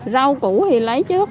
rau củ thì lấy trước